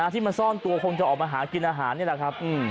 ที่มันซ่อนตัวคงจะออกมาหากินอาหารนี่แหละครับ